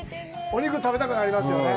お肉、食べたくなりますよね。